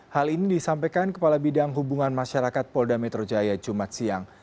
hal ini disampaikan kepala bidang hubungan masyarakat polda metro jaya jumat siang